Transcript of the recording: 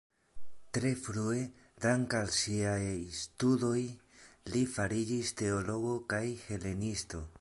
Tre frue, dank'al siaj studoj, li fariĝis teologo kaj helenisto.